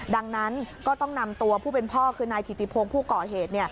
ดังนั้นก็ต้องนำตัวผู้เป็นพ่อคือนายถิติพงศ์ผู้ก่อเหตุ